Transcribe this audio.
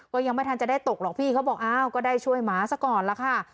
ก็ยังไม่ทันจะได้ตกหรอกพี่เขาบอกอ้าวก็ได้ช่วยหมาซะก่อนล่ะค่ะ